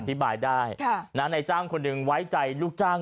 ที่บาร์ทได้ค่ะน่าในจ้างคนนึงไว้ใจลูกจ้าง